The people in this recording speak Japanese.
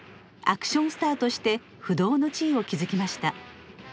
アクションスターとして不動の地位を築きました。